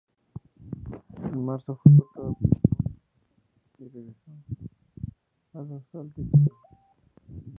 En marzo fue cortado por los Hawks y regresó a los Altitude.